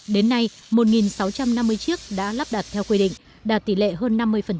đến nay một sáu trăm năm mươi chiếc đã lắp đặt theo quy định đạt tỷ lệ hơn năm mươi